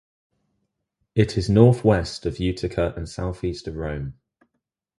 It is northwest of Utica and southeast of Rome.